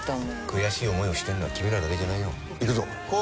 悔しい思いをしているのは君らだけじゃないよ。